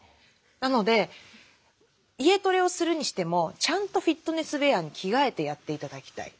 なので家トレをするにしてもちゃんとフィットネスウェアに着替えてやって頂きたい。